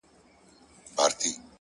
فکر ژور وي نو حلونه واضح وي,